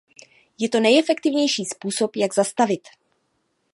Je to nejefektivnější způsob jak zastavit.